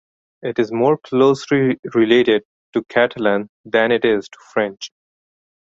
It is more closely related to Catalan than it is to French.